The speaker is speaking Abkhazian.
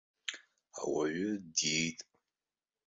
Ауаҩы диит.